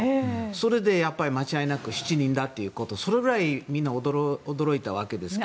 それで間違いなく７人だということでそれぐらいみんな驚いたわけですから。